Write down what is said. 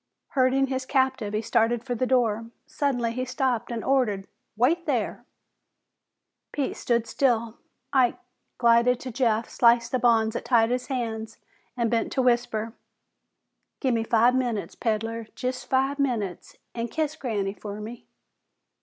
Herding his captive, he started for the door. Suddenly he stopped and ordered, "Wait thar!" Pete stood still. Ike glided to Jeff, sliced the bonds that tied his hands, and bent to whisper, "Gimme five minutes, peddler jest five minutes an' kiss Granny fer me."